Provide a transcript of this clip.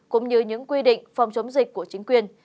cũng như những quy định phòng chống dịch của chính quyền